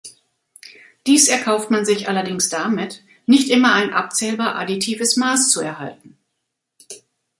Dies erkauft man sich allerdings damit, nicht immer ein abzählbar additives Maß zu erhalten.